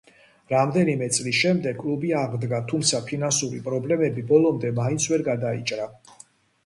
რამდენიმე წლის შემდეგ კლუბი აღდგა, თუმცა ფინანსური პრობლემები ბოლომდე მაინც ვერ გადაიჭრა.